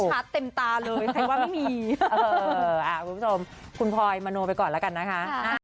โอ้ยชัดเต็มตาเลยใครว่าไม่มีเอ่ออ่าคุณผู้ชมคุณพลอยมาโนไปก่อนแล้วกันนะคะค่ะ